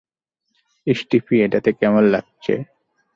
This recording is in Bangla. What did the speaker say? স্টিফি, এটাতে কেমন লাগছে?